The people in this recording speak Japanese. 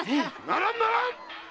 ならんならん！